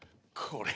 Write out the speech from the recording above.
これ。